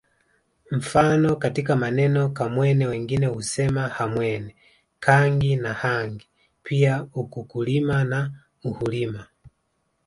Mfano katika maneno Kamwene wengine husema Hamwene Kangi na hangi pia ukukulima na uhulima